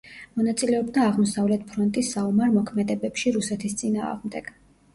მონაწილეობდა აღმოსავლეთ ფრონტის საომარ მოქმედებებში რუსეთის წინააღმდეგ.